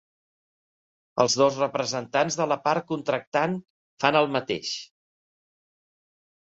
Els dos representants de la part contractant fan el mateix.